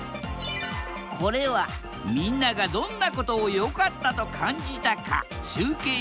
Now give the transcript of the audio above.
これはみんながどんなことを良かったと感じたか集計した結果。